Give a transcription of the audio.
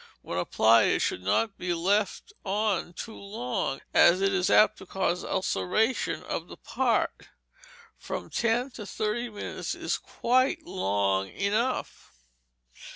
When applied it should not he left on too long, as it is apt to cause ulceration of the part. From ten to thirty minutes is quite long enough.